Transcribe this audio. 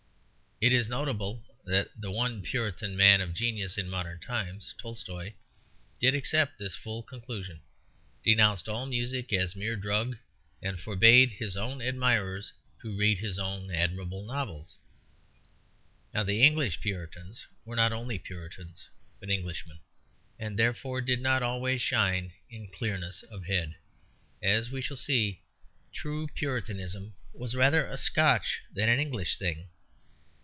It is notable that the one Puritan man of genius in modern times, Tolstoy, did accept this full conclusion; denounced all music as a mere drug, and forbade his own admirers to read his own admirable novels. Now, the English Puritans were not only Puritans but Englishmen, and therefore did not always shine in clearness of head; as we shall see, true Puritanism was rather a Scotch than an English thing.